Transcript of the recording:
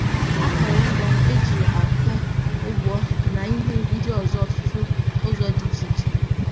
akụrụngwa e ji akọ ugbo na ihe ndị ọzọ n'ọtụtụ ụzọ dị iche iche.